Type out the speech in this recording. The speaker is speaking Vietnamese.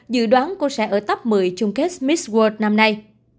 dự đoán cô sẽ ở top một mươi chung kết smit world năm nay